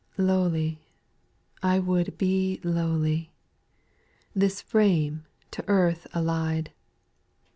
6. Lowly, I would be lowly I This frame, to earth allied.